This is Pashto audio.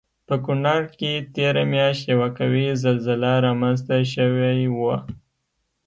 په کنړ کې تېره میاشت یوه قوي زلزله رامنځته شوی وه